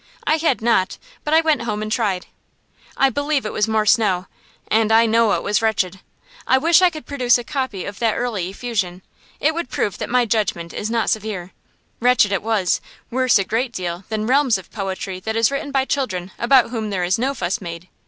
I had not, but I went home and tried. I believe it was more snow, and I know it was wretched. I wish I could produce a copy of that early effusion; it would prove that my judgment is not severe. Wretched it was, worse, a great deal, than reams of poetry that is written by children about whom there is no fuss made.